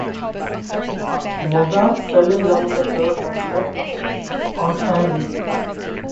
Mozart fell in love with the third daughter, Constanze.